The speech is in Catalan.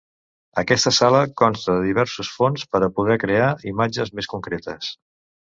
Aquesta sala consta de diversos fons per a poder crear imatges més concretes.